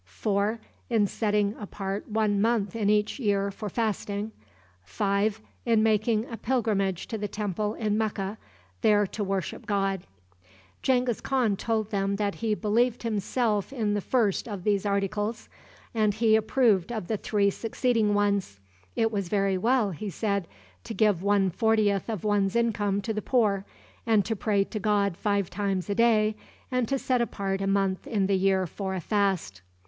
4. In setting apart one month in each year for fasting. 5. In making a pilgrimage to the temple in Mecca, there to worship God. Genghis Khan told them that he believed himself in the first of these articles, and he approved of the three succeeding ones. It was very well, he said, to give one fortieth of one's income to the poor, and to pray to God five times a day, and to set apart a month in the year for a fast.